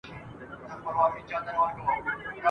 مرغکۍ دلته ګېډۍ دي د اغزیو ..